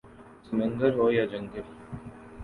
سمندر ہو یا جنگل